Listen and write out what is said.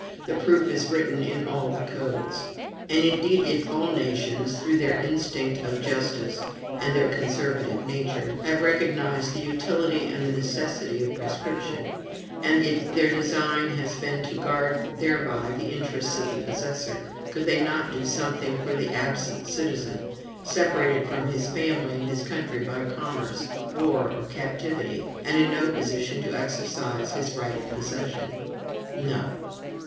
The proof is written in all the codes. And, indeed, if all nations, through their instinct of justice and their conservative nature, have recognized the utility and the necessity of prescription; and if their design has been to guard thereby the interests of the possessor, could they not do something for the absent citizen, separated from his family and his country by commerce, war, or captivity, and in no position to exercise his right of possession? No.